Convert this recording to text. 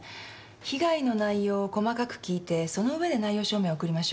被害の内容を細かく聞いてそのうえで内容証明送りましょう。